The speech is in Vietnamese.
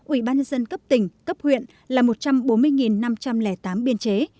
ủy ban nhân dân cấp tỉnh cấp huyện là một trăm bốn mươi năm trăm linh tám biên chế